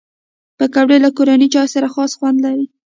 پکورې له کورني چای سره خاص خوند لري